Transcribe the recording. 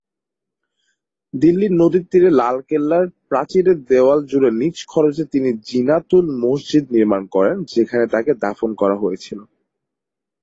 দিল্লির নদীর তীরে লালকেল্লা-র প্রাচীরের দেওয়াল জুড়ে নিজ খরচে তিনি জিনাত-উল-মসজিদ নির্মান করেন, যেখানে তাকে দাফন করা হয়েছিল।